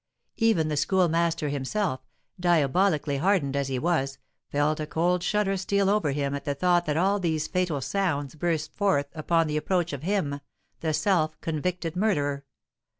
Even the Schoolmaster himself, diabolically hardened as he was, felt a cold shudder steal over him at the thought that all these fatal sounds burst forth upon the approach of him the self convicted murderer!